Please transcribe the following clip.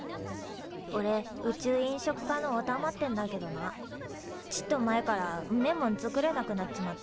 おれ宇宙飲食科のおたまってんだけどなちっと前からんめえもん作れなくなっちまってよ